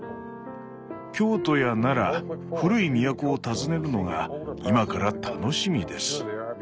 京都や奈良古い都を訪ねるのが今から楽しみです」。